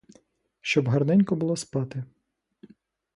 Щоб гарненько було спати.